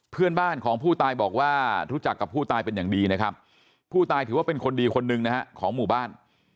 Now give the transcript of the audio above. เพื่อนบ้านของผู้ตายบอกว่ารู้จักกับผู้ตายเป็นอย่างดีนะครับผู้ตายถือว่าเป็นคนดีคนหนึ่งนะฮะของหมู่บ้าน